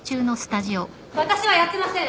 私はやってません！